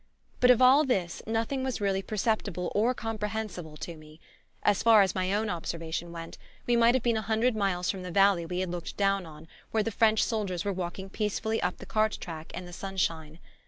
But of all this nothing was really perceptible or comprehensible to me. As far as my own observation went, we might have been a hundred miles from the valley we had looked down on, where the French soldiers were walking peacefully up the cart track in the sunshine.